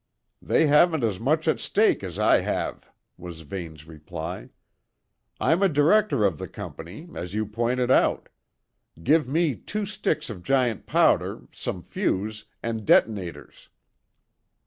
"They haven't as much at stake as I have," was Vane's reply. "I'm a director of the company as you pointed out. Give me two sticks of giant powder, some fuse, and detonators."